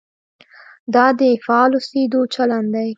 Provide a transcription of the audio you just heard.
دا د فعال اوسېدو چلند دی.